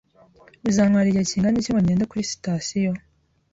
Bizantwara igihe kingana iki ngo ngende kuri sitasiyo?